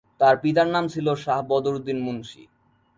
তার পিতার নাম ছিল শাহ বদর উদ্দিন মুন্সী।